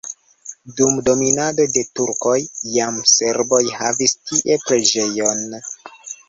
Dum dominado de turkoj jam serboj havis tie preĝejon.